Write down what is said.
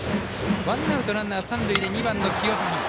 ワンアウトランナー、三塁で２番の清谷。